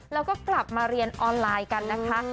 แล้วก็กลับมาเรียนออนไลน์กันนะคะ